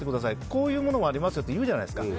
こういうものがありますよっていうじゃないですか。